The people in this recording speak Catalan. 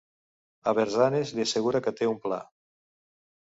Aberzanes li assegura que té un pla.